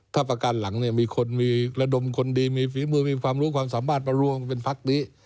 ถ้าประการหลังเนี่ยมีคนมีระดมคนดีมีฝีมือมีความรู้ความสามารถมารวมเป็นพักนี้